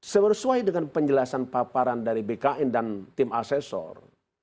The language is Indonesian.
sebersuai dengan penjelasan paparan dari bkn dan tim asesor